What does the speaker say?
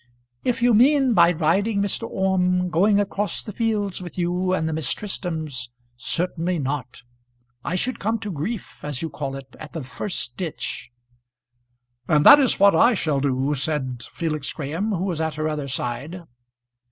"If you mean by riding, Mr. Orme, going across the fields with you and the Miss Tristrams, certainly not. I should come to grief, as you call it, at the first ditch." "And that is just what I shall do," said Felix Graham, who was at her other side.